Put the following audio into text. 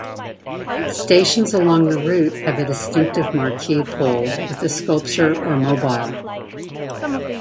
Stations along the route have a distinctive marquee pole with a sculpture or mobile.